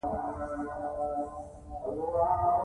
خاوره د افغانانو د اړتیاوو د پوره کولو وسیله ده.